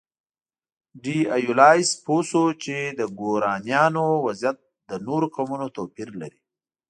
ډي ایولاس پوه شو چې د ګورانیانو وضعیت له نورو قومونو توپیر لري.